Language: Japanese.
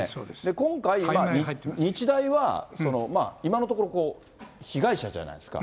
今回、日大は今のところ、被害者じゃないですか。